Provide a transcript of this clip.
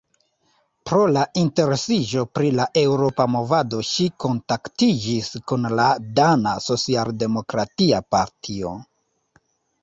Pro la interesiĝo pri la eŭropa movado ŝi kontaktiĝis kun la dana socialdemokratia partio.